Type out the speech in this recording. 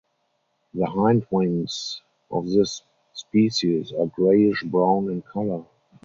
The hind wings of this species are greyish brown in colour.